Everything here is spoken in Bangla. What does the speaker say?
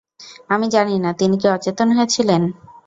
আমি জানি না, তিনি কি অচেতন হয়েছিলেন?